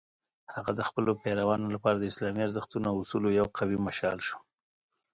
هغه د خپلو پیروانو لپاره د اسلامي ارزښتونو او اصولو یو قوي مشال شو.